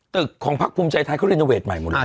ตึกของพักภูมิใจไทยเขารีโนเวทใหม่หมดเลย